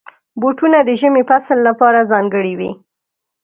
بوټونه د ژمي فصل لپاره ځانګړي وي.